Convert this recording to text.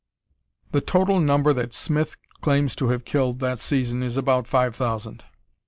The total number that Smith claims to have killed that season is "about five thousand."